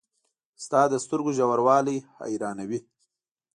• ستا د سترګو ژوروالی حیرانوي.